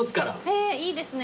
へえいいですね。